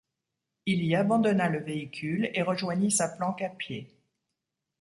Il y abandonna le véhicule et rejoignit sa planque à pied.